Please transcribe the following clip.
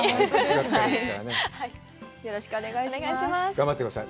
頑張ってください。